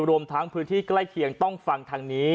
รวมทั้งพื้นที่ใกล้เคียงต้องฟังทางนี้